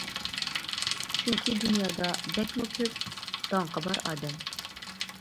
چۈنكى دۇنيادا بەكمۇ كۆپ داڭقى بار ئادەم.